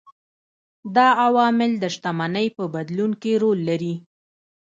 دا عوامل د شتمنۍ په بدلون کې رول لري.